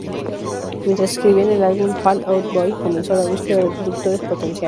Mientras escribían el álbum, Fall Out Boy comenzó la búsqueda de productores potenciales.